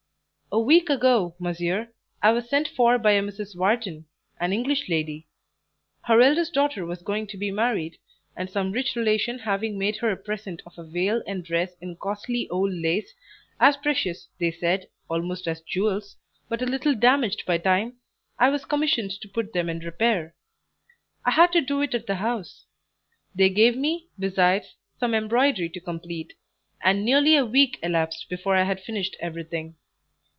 "A week ago, monsieur, I was sent for by a Mrs. Wharton, an English lady; her eldest daughter was going to be married, and some rich relation having made her a present of a veil and dress in costly old lace, as precious, they said, almost as jewels, but a little damaged by time, I was commissioned to put them in repair. I had to do it at the house; they gave me, besides, some embroidery to complete, and nearly a week elapsed before I had finished everything.